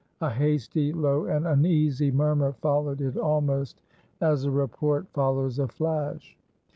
A hasty, low and uneasy murmur followed it almost as a report follows a flash.